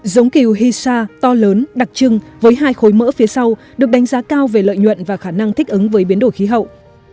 giống kiều hisa to lớn đặc trưng với hai khối mỡ phía sau được đánh giá cao về lợi nhuận và khả năng thích ứng với biến đổi khí hậu